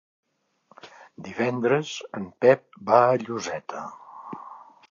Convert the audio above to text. Divendres en Pep va a Lloseta.